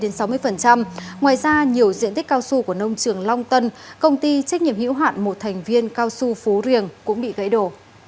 ngoài ra nhiều diện tích cao su của nông trường long tân công ty trách nhiệm hữu hạn một thành viên cao su phú riềng cũng bị gãy đổ